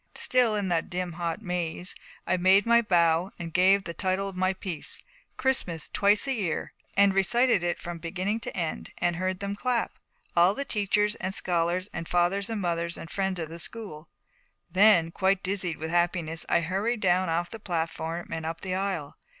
Still in that dim hot maze, I made my bow and gave the title of my piece, 'Christmas Twice a Year,' and recited it from beginning to end, and heard them clap, all the teachers and scholars and Fathers and Mothers and Friends of the School. Then, quite dizzied with happiness, I hurried down off the platform and up the aisle.